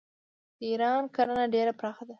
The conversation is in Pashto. د ایران کرنه ډیره پراخه ده.